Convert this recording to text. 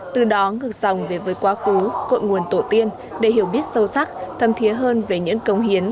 từ đó ngược dòng về với quá khứ cội nguồn tổ tiên để hiểu biết sâu sắc thâm thiết hơn về những công hiến